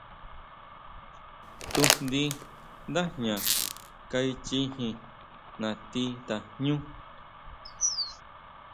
Tujndi nda jña kaichijin nati tajñú.